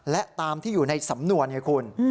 และตามที่อยู่ในสำนวนไงคุณ